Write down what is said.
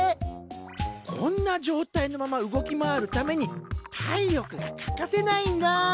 こんな状態のまま動き回るために体力が欠かせないんだ。